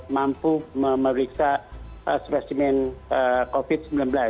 mampu memeriksa spesimen covid sembilan belas